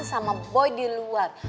sama boy di luar